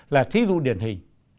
là thí dụ điển hình